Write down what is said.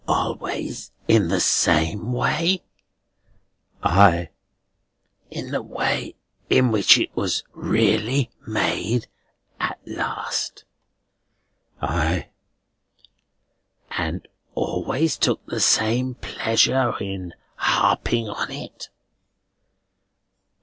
"Always in the same way?" "Ay." "In the way in which it was really made at last?" "Ay." "And always took the same pleasure in harping on it?"